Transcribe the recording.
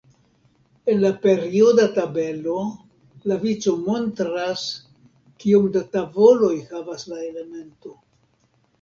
En la perioda tabelo, la vico montras, kiom da tavoloj havas la elemento.